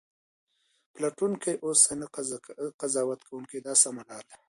پلټونکی اوسه نه قضاوت کوونکی دا سمه لار ده.